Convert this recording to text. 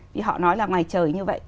vì họ nói là ngoài trời như vậy